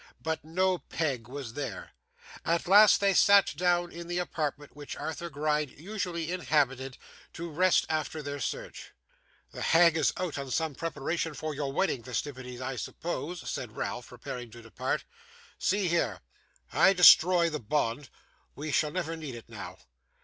But no Peg was there. At last, they sat them down in the apartment which Arthur Gride usually inhabited, to rest after their search. 'The hag is out, on some preparation for your wedding festivities, I suppose,' said Ralph, preparing to depart. 'See here! I destroy the bond; we shall never need it now.